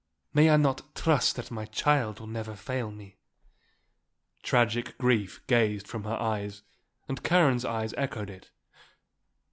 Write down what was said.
May I not trust that my child will never fail me?" Tragic grief gazed from her eyes and Karen's eyes echoed it.